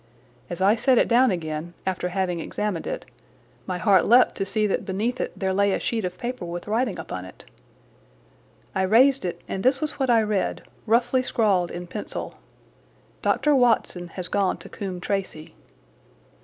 As I set it down again, after having examined it, my heart leaped to see that beneath it there lay a sheet of paper with writing upon it. I raised it, and this was what I read, roughly scrawled in pencil: "Dr. Watson has gone to Coombe Tracey."